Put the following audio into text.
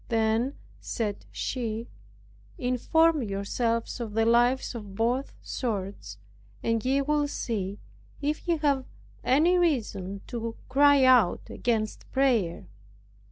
Then, said she, "Inform yourselves of the lives of both sorts, and ye will see if ye have any reason to cry out against prayer."